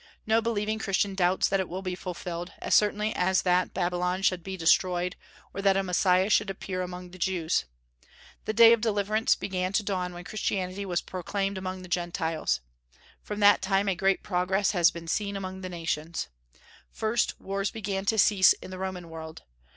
No believing Christian doubts that it will be fulfilled, as certainly as that Babylon should be destroyed, or that a Messiah should appear among the Jews. The day of deliverance began to dawn when Christianity was proclaimed among the Gentiles. From that time a great progress has been seen among the nations. First, wars began to cease in the Roman world.